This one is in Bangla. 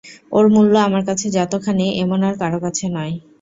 ওর মূল্য আমার কাছে যতখানি, এমন আর কারো কাছে নয়।